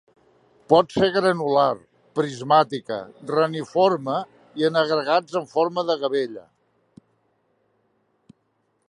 Pot ser granular, prismàtica, reniforme, i en agregats en forma de gavella.